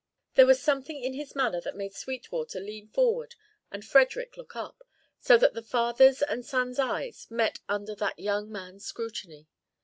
There was something in his manner that made Sweetwater lean forward and Frederick look up, so that the father's and son's eyes met under that young man's scrutiny.